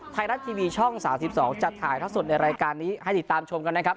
ไทยรัฐทีวีช่อง๓๒จะถ่ายท่อสดในรายการนี้ให้ติดตามชมกันนะครับ